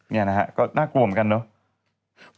นี่นะฮะก็น่ากลัวเหมือนกันเนอะ